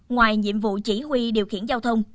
ngoài nhiệm vụ chỉ huy điều khiển giao thông